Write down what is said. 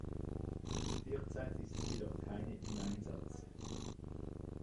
Derzeit ist jedoch keine im Einsatz.